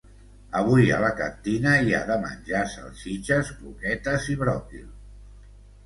Avui a la cantina hi ha de menjar salsitxes, croquetes i bròquil.